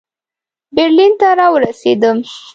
برلین ته را ورسېدم.